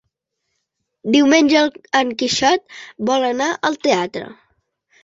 Diumenge en Quixot vol anar al teatre.